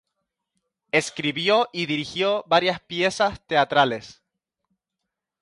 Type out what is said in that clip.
Escribió y dirigió varias piezas teatrales.